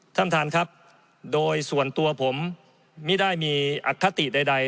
ท่านประธานครับโดยส่วนตัวผมไม่ได้มีอคติใด